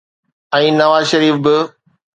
۽ نواز شريف به.